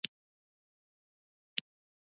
څنګه کولی شم د ماشومانو لپاره د ښو اخلاقو کیسې ووایم